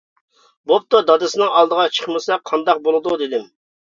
بوپتۇ دادىسىنىڭ ئالدىغا چىقمىسا قانداق بولىدۇ دېدىم.